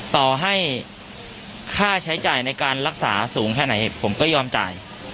ต่อให้ค่าใช้จ่ายในการรักษาสูงแค่ไหนผมก็ยอมจ่าย